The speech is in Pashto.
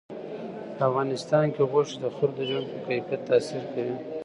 په افغانستان کې غوښې د خلکو د ژوند په کیفیت تاثیر کوي.